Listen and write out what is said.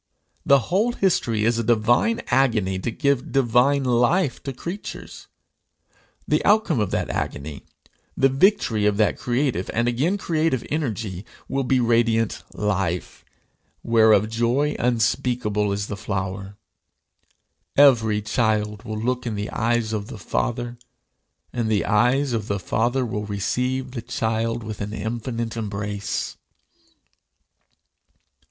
The whole history is a divine agony to give divine life to creatures. The outcome of that agony, the victory of that creative and again creative energy, will be radiant life, whereof joy unspeakable is the flower. Every child will look in the eyes of the Father, and the eyes of the Father will receive the child with an infinite embrace.